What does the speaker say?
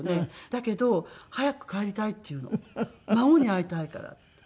だけど早く帰りたいって言うの孫に会いたいからって。